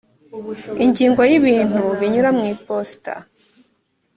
ingingo ya ibintu binyura mu iposita